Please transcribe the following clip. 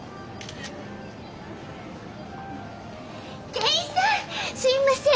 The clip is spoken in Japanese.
店員さんすいません。